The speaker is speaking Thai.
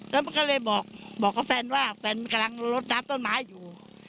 แล้วมันก็เลยบอกกับแฟนว่าแฟนกำลังลดน้ำต้นไม้อยู่